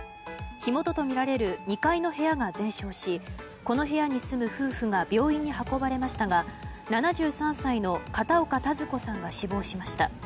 火元とみられる２階の部屋が全焼し、この部屋に住む夫婦が病院に運ばれましたが７３歳の片岡多津子さんが死亡しました。